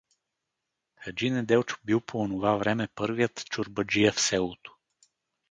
Хаджи Неделчо бил по онова време първият чорбаджия в селото.